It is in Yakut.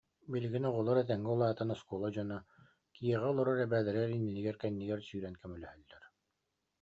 Билигин оҕолор этэҥҥэ улаатан оскуола дьоно, дьиэҕэ олорор эбээлэригэр иннигэр-кэннигэр сүүрэн көмөлөһөллөр